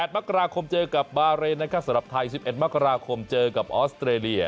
๘มกราคมเจอกับบาเรนนะครับสำหรับไทย๑๑มกราคมเจอกับออสเตรเลีย